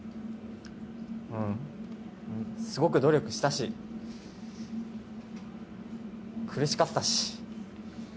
うん、すごく努力したし、苦しかったし。